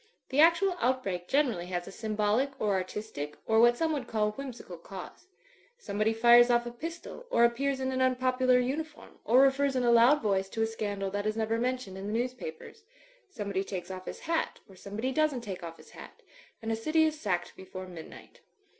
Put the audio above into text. The actual outbreak generally has a symbolic or artistic, or, what some would call whimsical cause. Somebody fires off a pistol or ap pears in an unpopular uniform, or refers in a loud voice to a scandal that is never mentioned in the news papers; somebody takes off his hat, or somebody doesn't take off his hat; and a city is sacked before midnight.